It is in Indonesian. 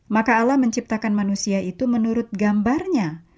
maka allah menciptakan manusia itu menurut gambarnya